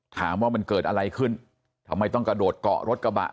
ถามว่ามันเกิดอะไรขึ้นทำไมต้องกระโดดเกาะรถกระบะ